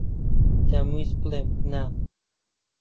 دەمویست بڵێم نا.